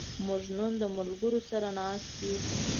موږ نن د ملګرو سره ناست یو.